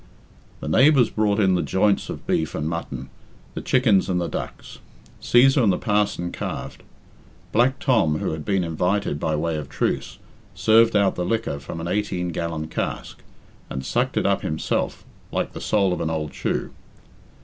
The neighbours brought in the joints of beef and mutton, the chickens and the ducks. Cæsar and the parson carved. Black Tom, who had been invited by way of truce, served out the liquor from an eighteen gallon cask, and sucked it up himself like the sole of an old shoe.